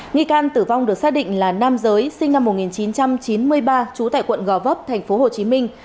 nghi can tử vong được xác định là nam giới sinh năm một nghìn chín trăm chín mươi ba trú tại quận gò vấp thành phố hồ chí minh